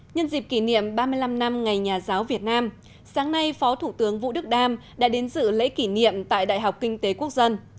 nhân dịp kỷ niệm ba mươi năm năm ngày nhà giáo việt nam sáng nay phó thủ tướng vũ đức đam đã đến dự lễ kỷ niệm tại đại học kinh tế quốc dân